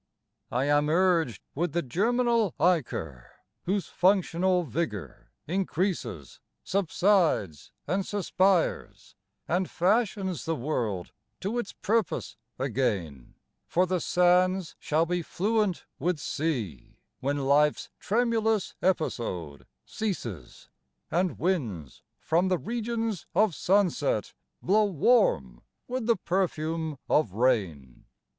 I am urged with the germinal ichor whose functional vigour increases, Subsides and suspires and fashions the world to its purpose again For the sands shall be fluent with sea when life's tremulous episode ceases, And winds from the regions of sunset blow warm with the perfume of rain.